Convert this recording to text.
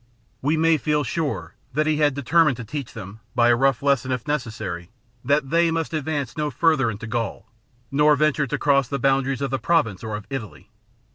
We may feel sure that he had determined to teach them, by a rough lesson if lecessary, that they must advance no further into Graul, nor venture to cross the boundaries of the Province or of Italy.